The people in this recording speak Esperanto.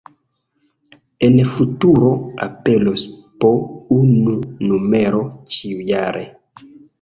En futuro aperos po unu numero ĉiujare.